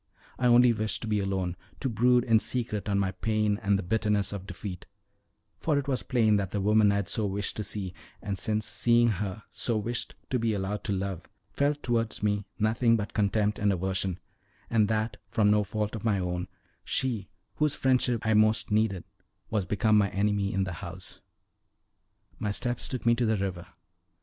I only wished to be alone, to brood in secret on my pain and the bitterness of defeat; for it was plain that the woman I had so wished to see, and, since seeing her, so wished to be allowed to love, felt towards me nothing but contempt and aversion, and that from no fault of my own, she, whose friendship I most needed, was become my enemy in the house. My steps took me to the river.